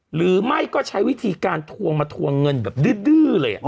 หรือไม่ก็ใช้วิธีการทวงมาทวงเงินแบบดื้อเลย